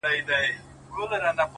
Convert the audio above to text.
دې يوه لمن ښكلا په غېږ كي ايښې ده؛